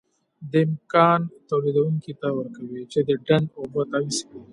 دا امکان تولیدوونکي ته ورکوي چې د ډنډ اوبه تعویض کړي.